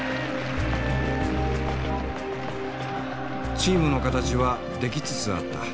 チームの形はできつつあった。